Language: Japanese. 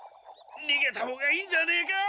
にげた方がいいんじゃねえか？